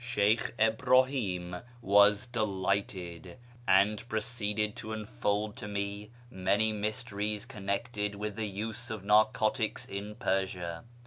Sheykh Ibrahim was delighted, and proceeded to unfold to me many mysteries connected with the use of narcotics in Persia.